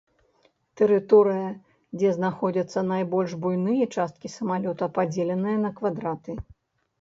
Тэрыторыя, дзе знаходзяцца найбольш буйныя часткі самалёта, падзеленая на квадраты.